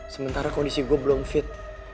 sementara kondisi gue belum fit